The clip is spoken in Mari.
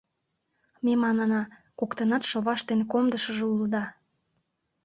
Ме манына: коктынат шоваш дене комдышыжо улыда.